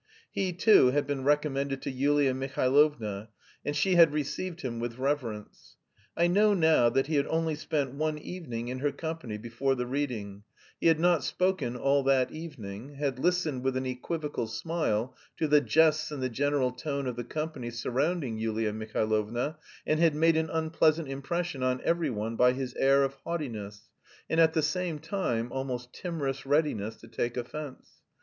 He, too, had been recommended to Yulia Mihailovna, and she had received him with reverence. I know now that he had only spent one evening in her company before the reading; he had not spoken all that evening, had listened with an equivocal smile to the jests and the general tone of the company surrounding Yulia Mihailovna, and had made an unpleasant impression on every one by his air of haughtiness, and at the same time almost timorous readiness to take offence.